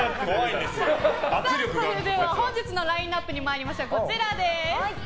それでは本日のラインアップに参りましょう。